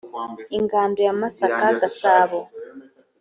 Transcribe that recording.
ingando ya masaka gasabo